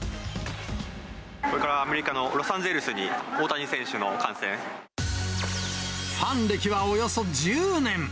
これからアメリカのロサンゼファン歴はおよそ１０年。